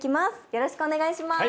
よろしくお願いします。